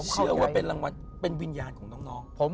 เชื่อว่าเป็นรางวัลเป็นวิญญาณของน้อง